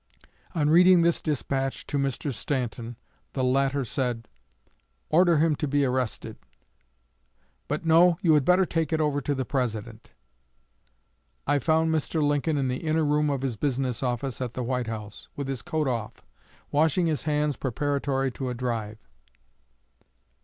On reading this despatch to Mr. Stanton, the latter said, 'Order him to be arrested but no; you had better take it over to the President.' I found Mr. Lincoln in the inner room of his business office at the White House, with his coat off, washing his hands preparatory to a drive.